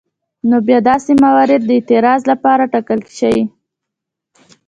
نو باید داسې موارد د اعتراض لپاره وټاکل شي.